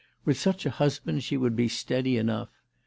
With such a husband she would be steady enough.